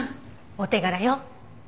お手柄よ。